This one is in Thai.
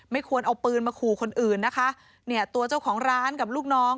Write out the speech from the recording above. ไม่ควรเอาปืนมาคู่คนอื่นตัวเจ้าของร้านกับลูกน้อง